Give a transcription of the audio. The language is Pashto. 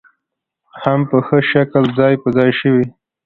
هم په ښه شکل ځاى په ځاى شوې